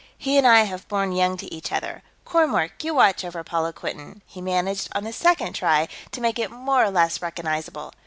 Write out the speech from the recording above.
He and I have borne young to each other. Kormork, you watch over Paula Quinton." He managed, on the second try, to make it more or less recognizable.